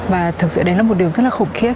và thực sự đấy là một điều rất là khủng khiết